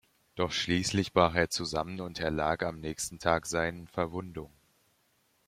Doch schließlich brach er zusammen und erlag am nächsten Tag seinen Verwundungen.